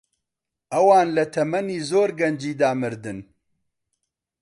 ئەوان لە تەمەنی زۆر گەنجیدا مردن.